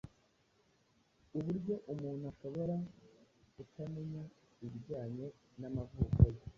uburyo umuntu ashobora kutamenya ibijyanye n’amavuko ye.